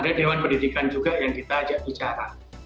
ada dewan pendidikan juga yang kita ajak bicara